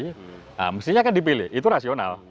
nah mestinya kan dipilih itu rasional